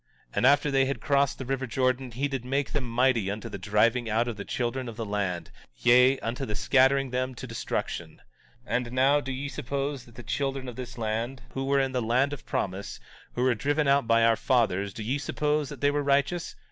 17:32 And after they had crossed the river Jordan he did make them mighty unto the driving out of the children of the land, yea, unto the scattering them to destruction. 17:33 And now, do ye suppose that the children of this land, who were in the land of promise, who were driven out by our fathers, do ye suppose that they were righteous?